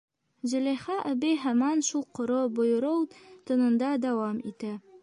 Зөләйха әбей һаман шул ҡоро, бойороу тонында дауам итә: